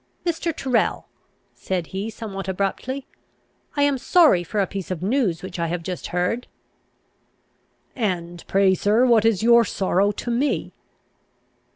"Mr. Tyrrel," said he, somewhat abruptly, "I am sorry for a piece of news which I have just heard." "And pray, sir, what is your sorrow to me?"